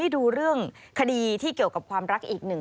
ดูเรื่องคดีที่เกี่ยวกับความรักอีกหนึ่ง